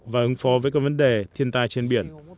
và ứng phó với các vấn đề thiên tai trên biển